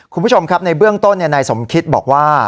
คุณผู้ชมครับในเบื้องต้นนายสมคิตบอกว่า